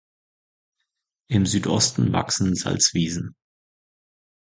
Im Südosten wachsen Salzwiesen.